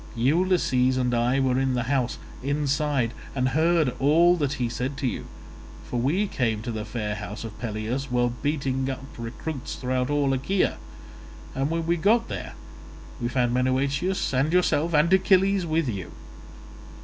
Ulysses and I were in the house, inside, and heard all that he said to you; for we came to the fair house of Peleus while beating up recruits throughout all Achaea, and when we got there we found Menoetius and yourself, and Achilles with you.